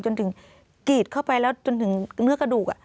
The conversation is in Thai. จนถึงกรีดเข้าไปแล้วจนถึงเนื้อกระดูก